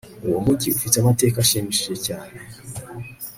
Uwo mujyi ufite amateka ashimishije cyane